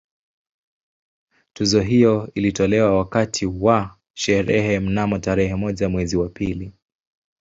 Tuzo hiyo ilitolewa wakati wa sherehe mnamo tarehe moja mwezi wa pili